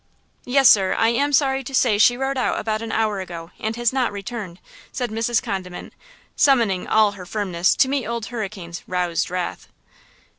"Yes, sir, I am sorry to say she rode out about an hour ago and has not returned," said Mrs. Condiment, summoning all her firmness to meet Old Hurricane's "roused wrath."